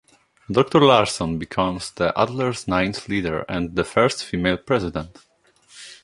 Doctor Larson becomes the Adler's ninth leader and the first female president.